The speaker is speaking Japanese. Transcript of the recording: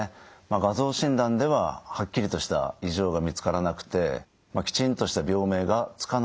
画像診断でははっきりとした異常が見つからなくてきちんとした病名が付かないようなことも多いんですね。